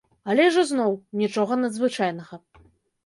Але ж ізноў, нічога надзвычайнага.